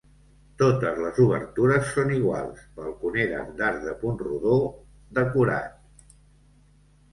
Totes les obertures són iguals: balconeres d'arc de punt rodó decorat.